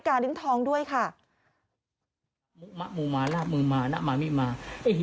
กินเลยนะอันนั้นกินเลย